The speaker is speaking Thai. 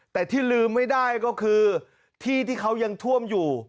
แต่ที่ลืมไม่ได้ก็คือที่ที่เขายังท่วมอยู่